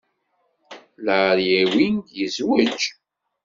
Larry Ewing yezwej.